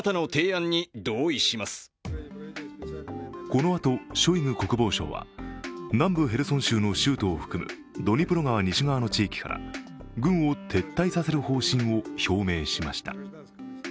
このあとショイグ国防相は南部ヘルソン州の州都を含むドニプロ川西側の地域から軍を撤退させる方針を表明しました。